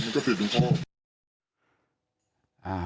มันก็เป็นตัวข้อ